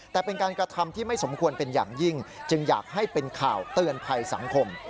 แต่เป็นการกระทำที่ไม่สมควรเป็นอย่างยิ่งจึงอยากให้เป็นข่าวเตือนภัยสังคม